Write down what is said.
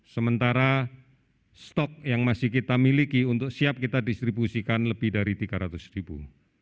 sementara stok yang masih kita miliki untuk siap kita distribusikan lebih dari tiga ratus ribu